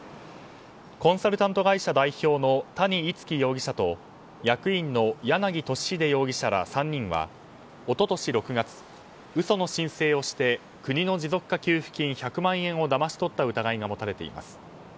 コンサルタント会社代表の谷逸輝容疑者と役員の柳俊秀容疑者ら３人は一昨年６月、嘘の申請をして国の持続化給付金１００万円をだまし取った疑いが持たれています。